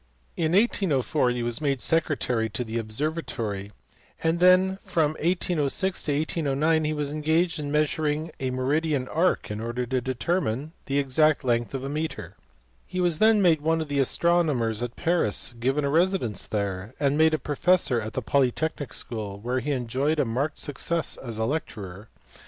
In 1804 he was made secretary to the observatory, and from 1806 to 1809 he was engaged in mea suring a meridian arc in order to determine the exact length of a metre. He was then made one of the astronomers at Paris, given a residence there, and made a professor at the Polytechnic school, where he enjoyed a marked success as a lecturer.